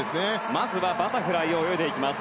まずはバタフライを泳いでいきます。